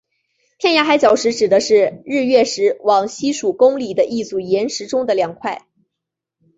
天涯海角石指的是日月石往西数公里的一组岩石中的两块。